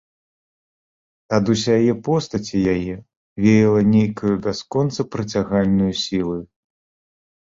Ад усяе постаці яе веяла нейкаю бясконца прыцягальнаю сілаю.